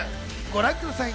ご覧ください。